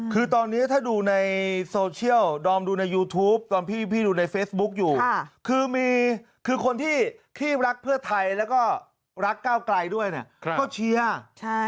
คือตอนนี้ถ้าดูในโซเชียลดอมดูในยูทูปตอนพี่พี่ดูในเฟซบุ๊กอยู่คือมีคือคนที่รักเพื่อไทยแล้วก็รักก้าวไกลด้วยเนี่ยก็เชียร์ใช่